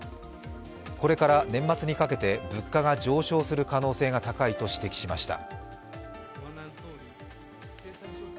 これから年末にかけて物価が上昇する可能性が高いと指摘しました。